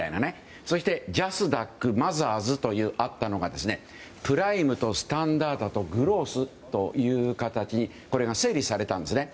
そして、ジャスダックマザーズとあったのがプライムとスタンダードとグロースという形にこれが整理されたんですね。